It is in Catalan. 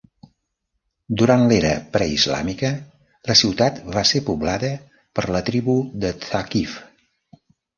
Durant l'era pre-islàmica, la ciutat va ser poblada per la tribu de Thaqif.